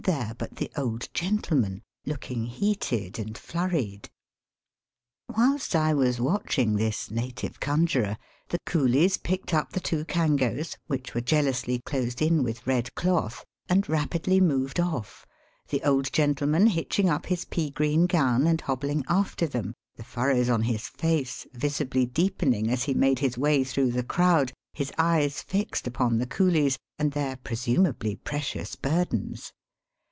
there but the old gentleman, looking heated and flurried. Whilst I was watching this native conjurer, the coolies picked up the two kangos, which were jealously closed in with red cloth, and rapidly moved off, the old gentleman hitching up his pea green gown and hobbling after them, the furrows on his face visibly deepening as he made his way through the crowd, his eyes fixed upon the oooUes and their presumably precious burdens.